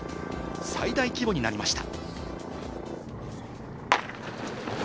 最大規模になりました。